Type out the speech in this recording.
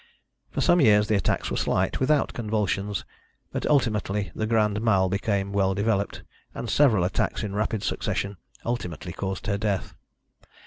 For some years the attacks were slight, without convulsions, but ultimately the grand mal became well developed, and several attacks in rapid succession ultimately caused her death.